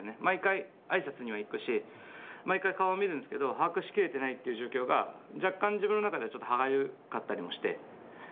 毎回挨拶には行くし毎回顔は見るんですけど把握し切れてないっていう状況が若干自分の中ではちょっと歯がゆかったりもして。